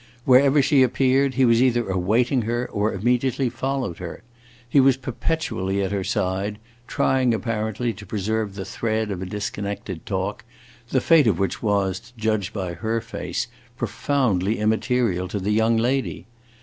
Wherever she appeared he was either awaiting her or immediately followed her. He was perpetually at her side, trying, apparently, to preserve the thread of a disconnected talk, the fate of which was, to judge by her face, profoundly immaterial to the young lady.